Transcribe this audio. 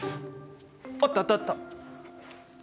あったあったあった。